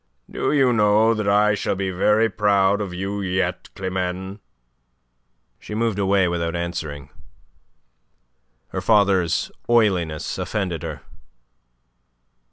Do you know that I shall be very proud of you yet, Climene?" She moved away without answering. Her father's oiliness offended her.